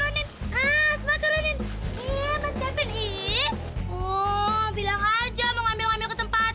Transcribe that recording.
yaudah kalo misalnya emang kamu gak mau